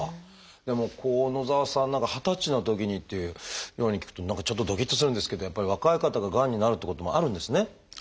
でも野澤さんなんかは二十歳のときにっていうように聞くと何かちょっとどきっとするんですけどやっぱり若い方ががんになるってこともあるんですね。